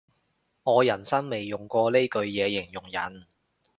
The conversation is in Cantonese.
我人生未用過呢句嘢形容人